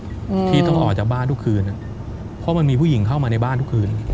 อืมที่ต้องออกจากบ้านทุกคืนอ่ะเพราะมันมีผู้หญิงเข้ามาในบ้านทุกคืน